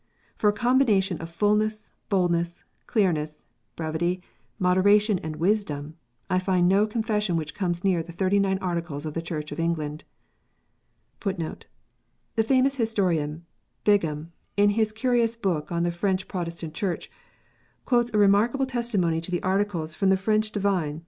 For a combination of fulness, boldness, clearness, brevity, moderation, and wisdom, I find no Confession which comes near the Thirty nine Articles of the Church of England.* ": The famous historian Bingham, in his curious book on the French Pro* testant Church, quotes a remarkable testimony to the Articles from the 68 KNOTS UNTIED.